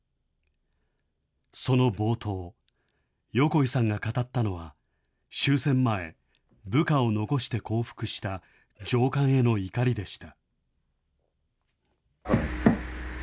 その冒頭、横井さんが語ったのは、終戦前、部下を残して降伏した上官への怒りでした。